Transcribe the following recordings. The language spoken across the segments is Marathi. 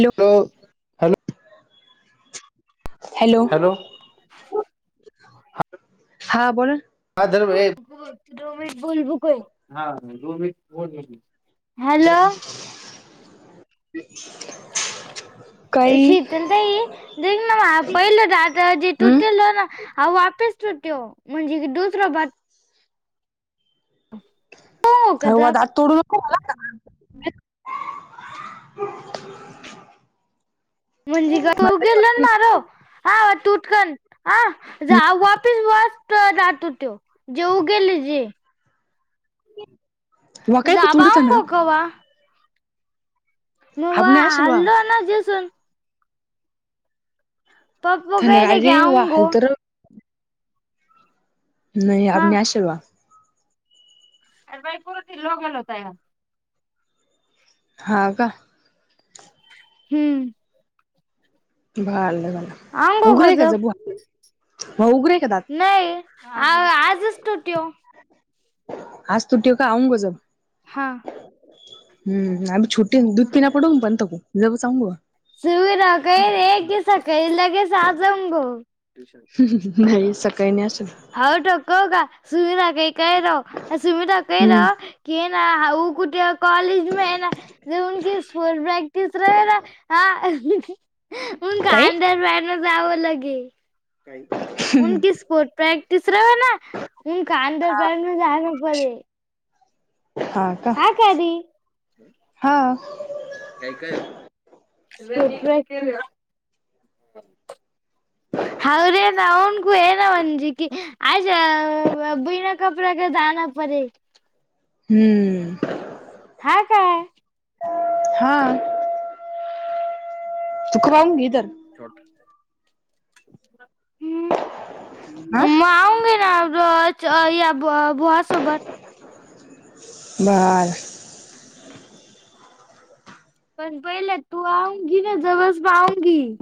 हॅलो. लो. हॅलो, हां बोला. [unintelligible] हॅलो. काही शीतलताई. देख ना माय पहिला दातजी हम्म टुटलना, हा वापीस टुटयो म्हणजे दुसरा बात [inaudible] हवा जब दात तोडू नको [unintelligible] म्हनजे ग ग मारो हा वा टूटकन हा जाव वापीस वाचत राहतो तो जेऊ गेले जे वकायक तुडताना [unintelligible] हवा मु वा आपने आशल हल्लो ना जसून पप्पू कहे थे की धनगारजी वा आऊंगो हालतरो नही अब हा नॅशीवा अर भाई पूर दिलो गेलो तय [unintelligible] हा का हम्म भलंभला आऊंगो उघरे का कजब जबूआ उघरे का दा [unintelligible] नही आजच टूटीओ आज टूटओ आवं गजब [unintelligible] हा हम्म आम छुटी दुध किना पडव पणंतू जव चांगू [unintelligible] सुवी रा का एक दि स काळी लगेच [unintelligible] जाज ग [unintelligible] नाही सकाळी नाही असेल हा कव का सुमना का काय राव सुमना का हम्म राव [unintelligible] कि ना कुठे कॉलेज मे आहे ना जकी स्ो प्रॅक्टिस र ना [unintelligible] हा मून काही खांदार पाहेन जावं लगे [unintelligible] की स्पोर्ट प्रॅक्टिस र ना [unintelligible] त काांधारपार जाहा नप [unintelligible] हा का रे हा-‍- काय काय [unintelligible] होरे ना नगु येन म्हणजिकी आयज अ [unintelligible] कपडा का दाणा पडे [unintelligible] हम्म [unintelligible] हम् [unintelligible] हा काय [unintelligible] हा‌ तुकराय इधर [unintelligible] हो हम् हा मग आऊगे ना या भुवा सोबत [unintelligible] बार [unintelligible] पण पहिलं तू आहंगी ना जवळ पाहंगी [unintelligible]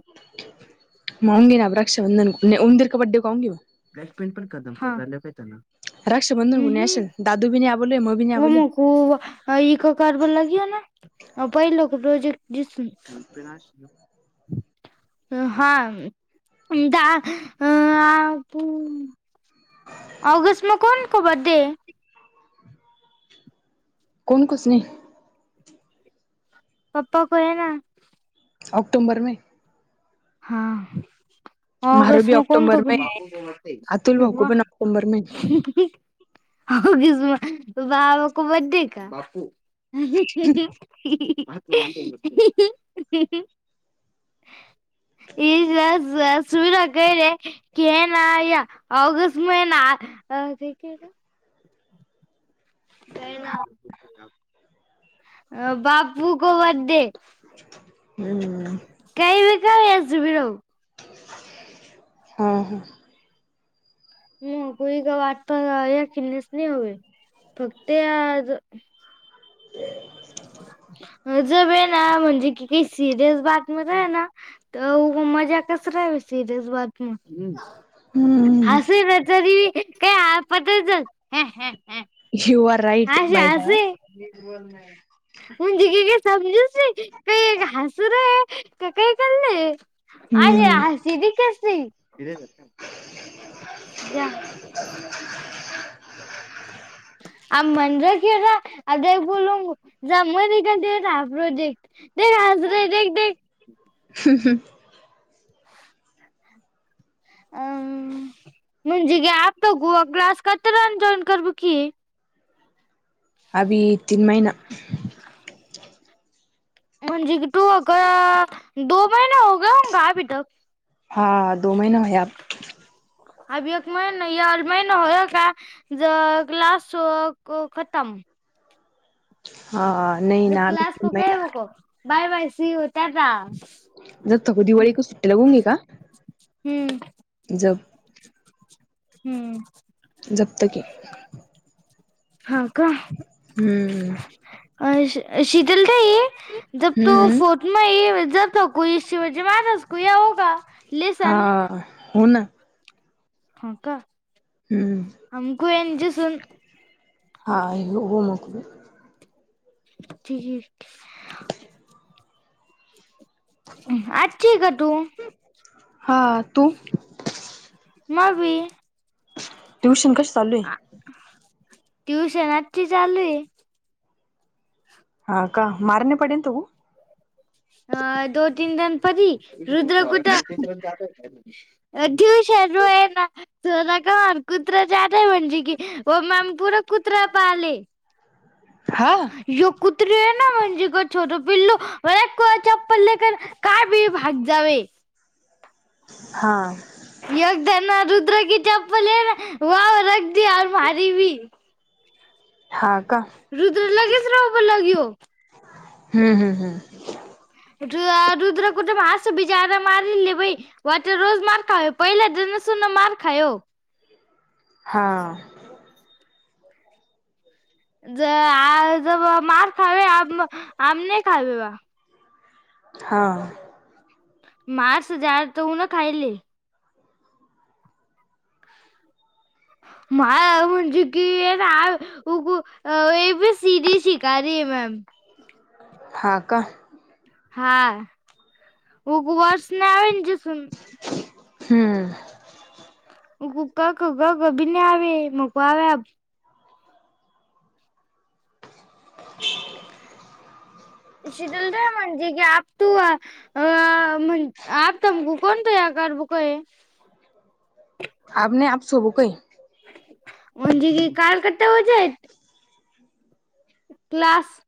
आऊंगी ना प्र रााबंधन उमंदिरके बड्डे को आऊंगी [unintelligible] ब्लॅक प्रेंट पण कदमलं पाहिे ना [unintelligible] राखक्ष बंधुून कोणी असल दादू बी आ बोलें [unintelligible] व मग खू इका कारभ लागे ना पहि लक रोज [unintelligible] ज हा [unintelligible] द अ प [unintelligible] ऑगस्ट म कोण को बर्डे हे [unintelligible] कोण कुसनी [unintelligible] पप्पा कहे ना [unintelligible] ऑक्टोबर में हें [unintelligible] हा. मारो भी अक्टूबर में है, अतुल भाऊ को पण अक्टूबर में [unintelligible] हो गस्मा बाबा को बर्डे का? [inaudible] [unintelligible] ऑगस्ट महिना अ [unintelligible] काय ना. अ बापू को बड्डे. हम्म. [unintelligible] हा हा. म कोई का वाटत या खिळण्यास नाही हवे फक्त ते आज ते. ज ब ना म्हणजे किती सिरियस बातम आहे ना. तर मजा कसरा आहे सिरस बात मे. हाँ [unintelligible] हिवर हाशा असे [unintelligible] [unintelligible] हम्म [unintelligible] आ म्हन रख अ बोल जा म काते प्रोजेक्ट देखास रे देख देख. [inaudible] अम म्हणजे ग आपत गूवा क्लास कात रान जॉईन करब की अभी तीन महिना म्हणजे की तू अग दो महिने होग ह का अभि तक हा दो महिना हो या. अभ एक महिना या अड महिना होय का ज क्लास खतम हा नाही जब ना क्लास को महि कहे वो को बाय बाय सीयु [unintelligible] हुम्म. जप्तकी हा का? हुम्मम. अ शीतल तई जब तो हम्म फोटो म जातो को शिवजी महारस को या हो का हा हो ना. हा का हम्म आणि कोळयाचीं सुन हां हो मोकले ठीक हाय. अच्छी है का तू? हा तू? मबी. ट्यूशन कश चालू हे? ट्युशन आजची चालू हे. हा का मारणे पडेल न तु ह दो तीन दन पडी रुद्र कुठ टयूशन रोय ना सोना क कुत्रा आठय म्हणजे की हो मॅम पर कुत्रा पाले [inaudible] हा य कुत्री आहे ना म्हणजे ग छोट पिल्लो यो चप्पल लेकर काय बी भाग जावे हा यगदा ना रुद्र की चप्पल ना व रखदी और मारी भी हा का रुद्र लगेच रोह लघ्यो हम्म हम् हम्म रुद्र कुट [unintelligible] वाटर रोज मार खायो पहिला दनसन मार खायो हा ज आज मार खावे आम आम नाही खावे वा. हा मा [unintelligible] तु ना खायीले. मा म्हणजे की [unintelligible] उ ह ए बी सी डी शिकरही हे मॅम हा का? हा उपवास नवे [unintelligible] हम्म मको क ख ग घ भी नही आवे मोको आवे अब [unintelligible] शीतल तई म्हणती की आप तू आ अ म्हण अब थमको कोण तया करबो क हैं अब नही अब सोबू को ही. म्हंजीगी काल किते बजे क्लास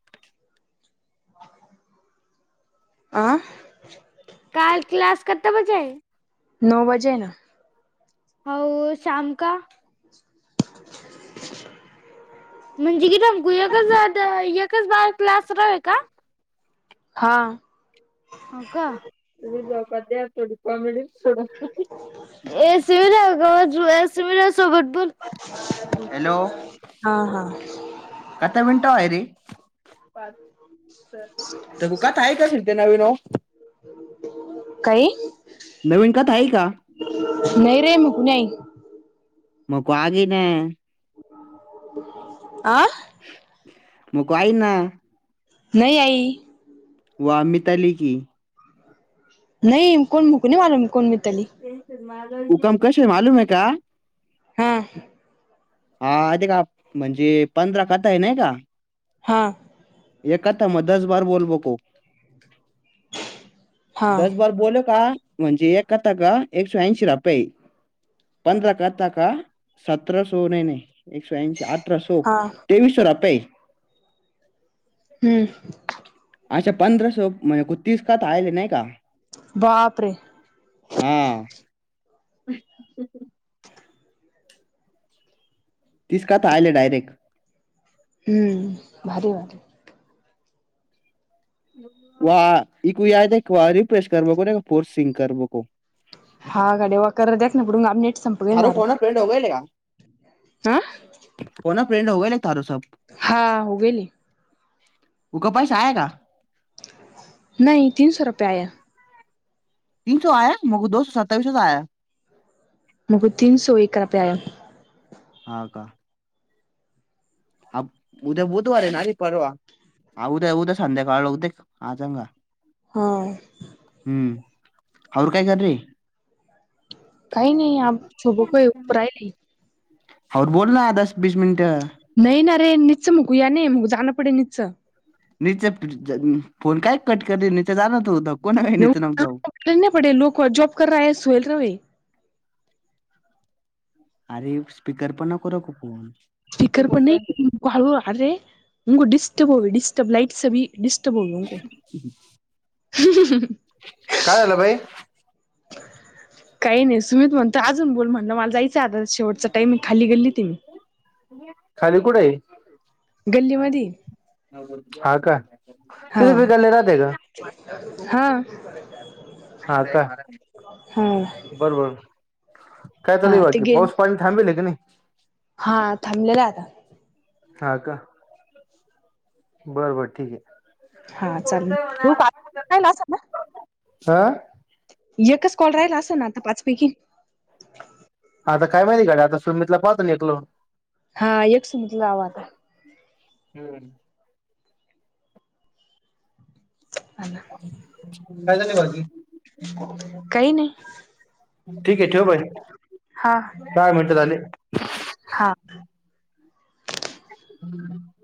आ काल क्लास कते बजे हे? नो वजे हे ना. अऊ शाम का? म्हणजे किथमगूच [unintelligible] एकच बार क्लास रवे का? हा. ह का [unintelligible] कॉमेडी ए शिवी गज ए सिवीला सोबटपूर बोल हॅलो हा हा.. कथ मिनटं व्हायरे? पाच. तर थकुकात आहे [unintelligible] काई? नवीन कथा आहे का? नाही रे म पुु नाही. मको आगे ना. आं? मको आईक ना. [unintelligible] वो अमित आली की. [unintelligible] [unintelligible] हां. [unintelligible] हा. [unintelligible] हा [unintelligible] [unintelligible] हा [unintelligible] हम्म. [unintelligible] बापरे. हा. [unintelligible] हम्म भारी. [unintelligible] [unintelligible] हाँ [unintelligible] [unintelligible] [unintelligible] [unintelligible] [unintelligible] [unintelligible] हा का. हा उद्या बुधवार आहे ना रे परावा. [unintelligible] हा. [unintelligible] [unintelligible] [unintelligible] [unintelligible] [unintelligible] [unintelligible] [unintelligible] [unintelligible] [unintelligible] काय आलं बाई? काही नाही सुमित म्हणतो अजून बोल, म्हणलं मला जायचं आता शेवटचा टाइमे खाली गल्लीतये मी. खाली कुढंये? गल्लीमध्ये हा का, हा तिथं पिकल्ले राहाते का? हा हा का, हा बरोबर काय चालूये हा ते बाकी गे पाऊस पा पण थांबेले का नही? हा थांबलेलाये आता. हा का. बरं बरं ठीके. हा चालंल, येवू का आत्ता, काला असंल ना. [inaudible] एकच कॉल राहिला असंल ना आता पाचपैकी? आता काय माहिती गड्या, आता सुमितला पाहतो एक लावून. हा एक सुमितला लाव आता. [unintelligible] आता [unintelligible] काय चाललंय बाकी? काही नाही ठीके ठेव [unintelligible] हा. दहा मिनटं झाले. हा. [inaudible]